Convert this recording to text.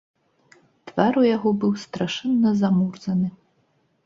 Твар у яго быў страшэнна замурзаны.